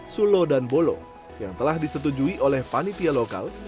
sulo dan bolo yang telah disetujui oleh panitia lokal